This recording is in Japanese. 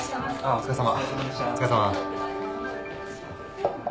お疲れさま。